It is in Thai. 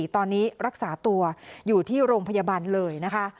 ตอนนี้รักษาตัวอยู่ที่โรงพยาบาลเลยนะคะ